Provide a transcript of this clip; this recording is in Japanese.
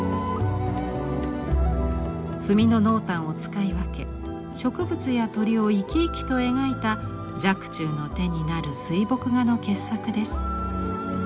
墨の濃淡を使い分け植物や鳥を生き生きと描いた若冲の手になる水墨画の傑作です。